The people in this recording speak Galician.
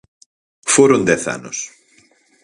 Foron dez anos.